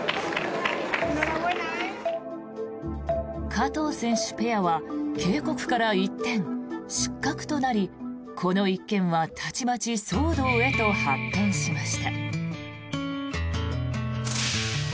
加藤選手ペアは警告から一転失格となりこの一件はたちまち騒動へと発展しました。